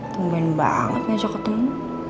tumpen banget ngajak ketemu